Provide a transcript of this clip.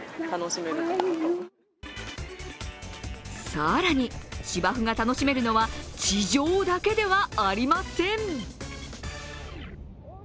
更に、芝生が楽しめるのは地上だけではありません。